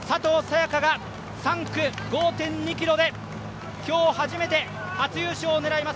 也伽が３区、５．２ｋｍで今日初めて、初優勝を狙います